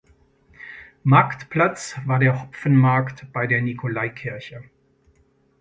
Marktplatz war der Hopfenmarkt bei der Nikolaikirche.